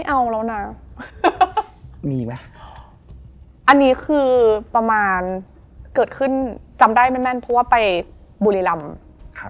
อันนี้คือประมาณเกิดขึ้นจำได้แม่เพราะว่าไปบุรีรำค่ะ